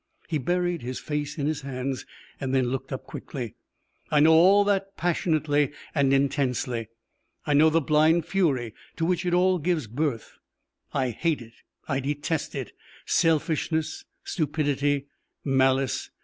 He buried his face in his hands and then looked up quickly. "I know all that passionately and intensely. I know the blind fury to which it all gives birth. I hate it. I detest it. Selfishness, stupidity, malice.